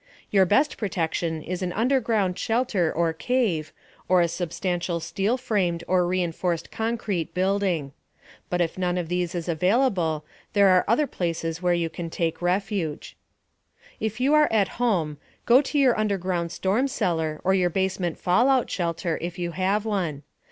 Your best protection is an underground shelter or cave, or a substantial steel framed or reinforced concrete building. But if none of these is available, there are other places where you can take refuge: If you are at home, go to your underground storm cellar or your basement fallout shelter, if you have one.